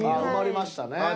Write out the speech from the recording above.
埋まりましたね。